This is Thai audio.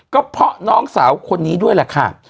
ก็เพราะน้องสาวคนนี้ด้วยแหละค่ะ